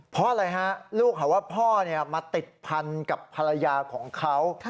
เพราะอะไรฮะลูกเขาว่าพ่อมาติดพันกับภรรยาของเขา